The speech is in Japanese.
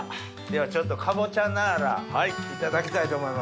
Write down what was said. ではちょっとかぼちゃナーラいただきたいと思います。